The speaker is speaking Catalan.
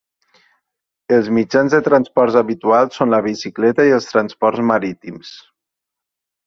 Els mitjans de transport habituals són la bicicleta, i els transports marítims.